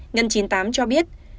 ngân chín mươi tám cho biết